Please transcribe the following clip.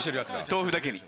豆腐だけに。